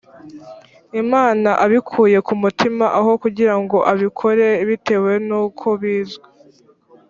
imana abikuye ku mutima aho kugira ngo abikore bitewe n uko bizwi